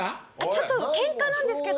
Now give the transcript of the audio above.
ちょっとケンカなんですけど。